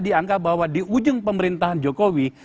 dianggap bahwa di ujung pemerintahan jokowi